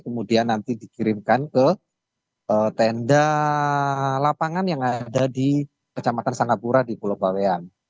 kemudian nanti dikirimkan ke tenda lapangan yang ada di kecamatan sanggapura di pulau bawean